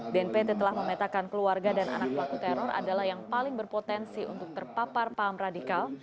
bnpt telah memetakan keluarga dan anak pelaku teror adalah yang paling berpotensi untuk terpapar paham radikal